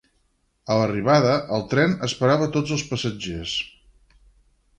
A l'arribada, el tren esperava tots els passatgers.